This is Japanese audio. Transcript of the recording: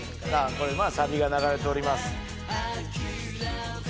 これサビが流れております